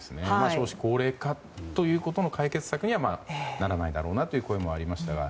少子高齢化の解決策にはならないだろうなという声もありましたが。